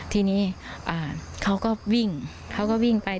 ทีนี้เขาก็วิ่งเขาก็วิ่งไป